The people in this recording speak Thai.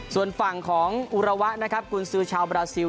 ส่วนฝั่งของอุระวะนะครับกุญซือชาวบราซิล